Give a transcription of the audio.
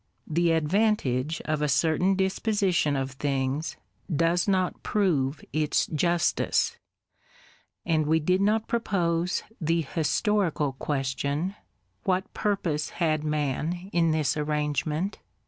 The advantage of a certain disposition of things does not prove its justice; and we did not propose the historical question, — What purpose had man in this arrangement?